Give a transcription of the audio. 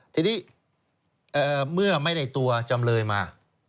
ทีนี้เมื่อไม่ได้ตัวจำเลยมา